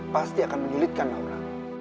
pasti akan menyulitkan naura